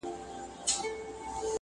نن پښتون پر ویښېدو دی!.